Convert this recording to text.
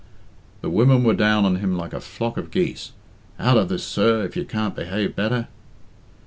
The women were down on him like a flock of geese. "Out of this, sir, if you can't behave better!'